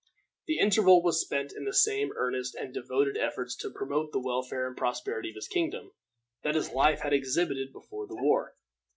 The interval was spent in the same earnest and devoted efforts to promote the welfare and prosperity of his kingdom that his life had exhibited before the war.